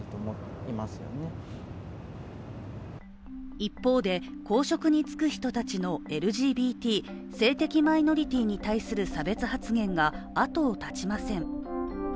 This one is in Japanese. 一方で、公職に就く人たちのＬＧＢＴ＝性的マイノリティに対する差別発言があとを絶ちません。